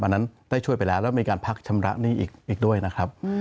อันนั้นได้ช่วยไปแล้วแล้วมีการพักชำระหนี้อีกด้วยนะครับ